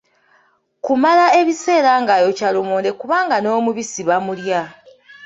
Kumala ebiseera ng'ayokya lumonde kubanga n'omubisi bamulya.